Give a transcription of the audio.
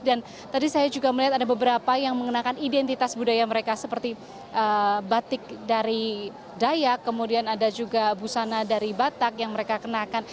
dan tadi saya juga melihat ada beberapa yang mengenakan identitas budaya mereka seperti batik dari dayak kemudian ada juga busana dari batak yang mereka kenakan